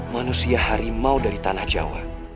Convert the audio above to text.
manusia harimau dari tanah jawa